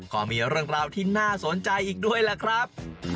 ก็มีเรื่องราวที่น่าสนใจอีกด้วยล่ะครับ